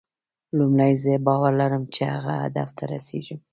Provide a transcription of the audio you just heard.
لومړی زه باور لرم چې هغه هدف ته رسېږم.